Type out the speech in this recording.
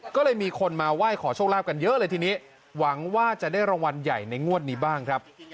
ก็เลยมีคนมาไหว้ขอโชคลาภกันเยอะเลยทีนี้หวังว่าจะได้รางวัลใหญ่ในงวดนี้บ้างครับ